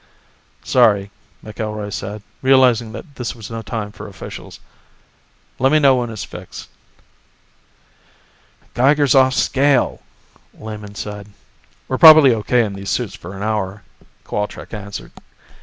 "Sorry," McIlroy said, realizing that this was no time for officials. "Let me know when it's fixed." "Geiger's off scale," Lehman said. "We're probably O.K. in these suits for an hour," Cowalczk answered.